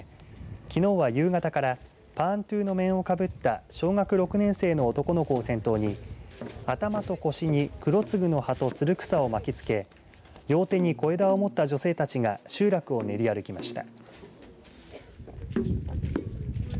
きのうは夕方からパーントゥの面をかぶった小学６年生の男の子を先頭に頭と腰にクロツグの葉とつる草を巻きつけ両手に小枝を持った女性たちが集落を練り歩きました。